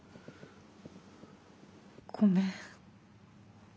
ごめん。